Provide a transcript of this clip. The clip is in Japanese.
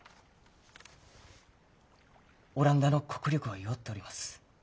オランダの国力は弱っとります。